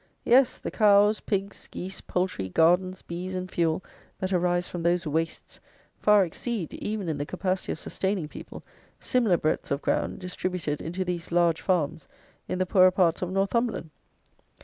Yes, the cows, pigs, geese, poultry, gardens, bees and fuel that arise from those wastes, far exceed, even in the capacity of sustaining people, similar breadths of ground, distributed into these large farms in the poorer parts of Northumberland.